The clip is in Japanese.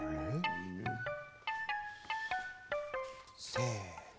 せの。